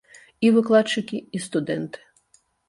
І выкладчыкі, і студэнты.